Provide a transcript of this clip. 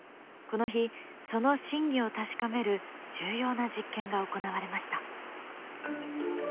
この日その真偽を確かめる重要な実験が行われました。